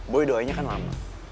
boy doainya kan lama